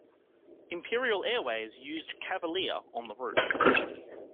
Imperial Airways used "Cavalier" on the route.